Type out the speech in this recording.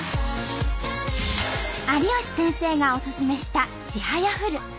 有吉先生がおすすめした「ちはやふる」。